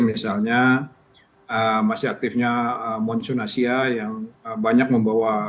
misalnya masih aktifnya monsoon asia yang banyak membawa